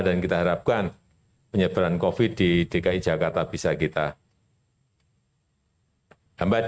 dan kita harapkan penyebaran covid sembilan belas di dki jakarta bisa kita mencapai